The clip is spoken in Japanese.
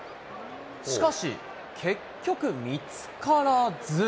しかし結局、見つからず。